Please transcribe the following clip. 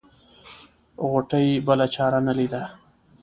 غوټۍ بله چاره نه ليده.